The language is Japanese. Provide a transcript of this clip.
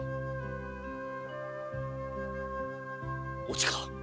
おちか。